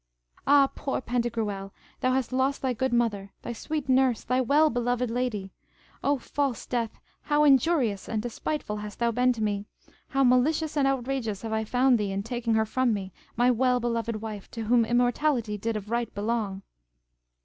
Ah, poor Pantagruel, thou hast lost thy good mother, thy sweet nurse, thy well beloved lady! O false death, how injurious and despiteful hast thou been to me! How malicious and outrageous have I found thee in taking her from me, my well beloved wife, to whom immortality did of right belong!